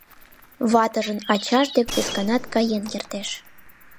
Ватыжын ачаж дек весканат каен кертеш.